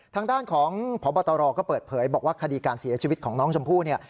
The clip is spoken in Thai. ทางด้านของพบตรก็เปิดเผยบอกว่าคดีการเสียชีวิตของน้องชมพู่เนี่ย